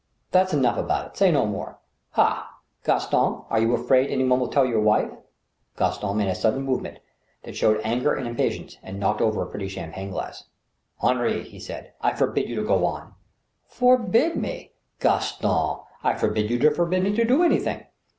" That's enough about it. Say no more." •* Ha ! Gaston, are you afraid any one will tell your wife ?" Gaston made a sudden movement that showed anger and impa tience, and knocked over a pretty champagne glass. " Henri," he said, " I forbid you to go on." "Forbid me! Gaston, I forbid you to forbid me to do any thing."